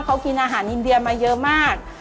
เขากินอาหารอินเดียมาเยอะมาก